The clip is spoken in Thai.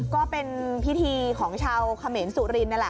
ก็เป็นพิธีของชาวเขมรสุรินนั่นแหละ